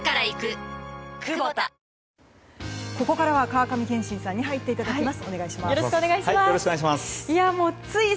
ここからは川上憲伸さんに入っていただきます。